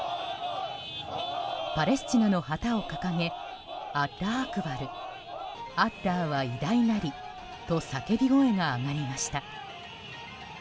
パレスチナの旗を掲げアッラーアクバルアッラーは偉大なりと叫び声が上がりました。